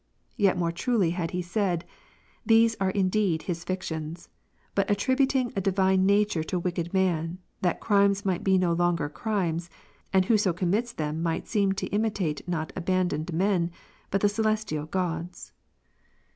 Yet more truly had he said, " These are indeed his fictions ; but attri buting a divine nature to wicked men, that crimes might be no longer crimes, and whoso commits them might seem to imitate not abandoned men, but the celestial gods."